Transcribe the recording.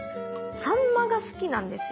サンマが好きなんですよ。